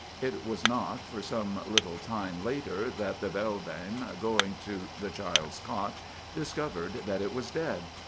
It was not for some little time later that the beldame, going to the child's cot, discovered that it was dead.